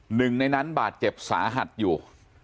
หนึ่งในนั้นบาดเจ็บสาหัสอยู่